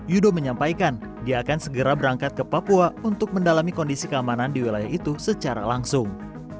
yudo menyampaikan dia akan segera berangkat ke papua untuk mendalami kondisi keamanan di wilayah itu secara langsung